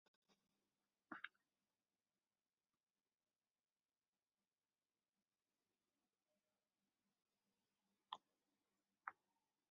وعلى أحضانها جرح... يحارب